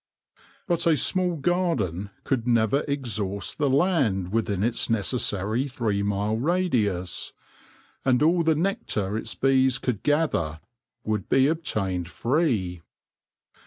But a small 192 THE LORE OF THE HONEY BEE garden could never exhaust the land within ics neces sary three mile radius, and all the nectar its bees could gather would be obtained free.